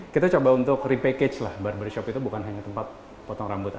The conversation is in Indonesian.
kita coba untuk repackage lah barbershop itu bukan hanya tempat potong rambut